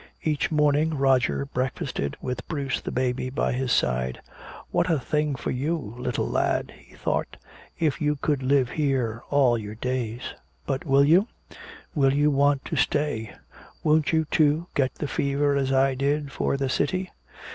Each morning Roger breakfasted with Bruce the baby by his side. "What a thing for you, little lad," he thought, "if you could live here all your days. But will you? Will you want to stay? Won't you, too, get the fever, as I did, for the city?"